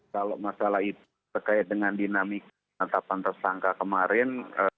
kalau masalah itu terkait dengan dinamika netapan tersangka kemarin